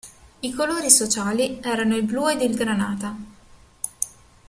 I colori sociali erano il blu ed il granata.